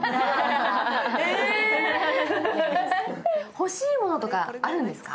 欲しいものとかあるんですか？